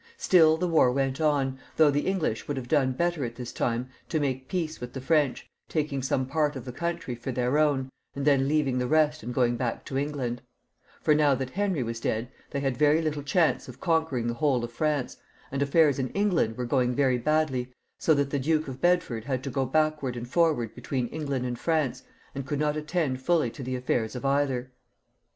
Still the war went on, though the English would have done better at this time to make a peace with the French, taking some part of the country for their own, and then leaving the rest and going back to England ; for now that Henry was dead they had very little chance of conquering the whole of France, and affairs in England were going very badly, so that the Duke of Bedford had to go backwards and forwards between England and France, and could not attend fully to the affairs of either.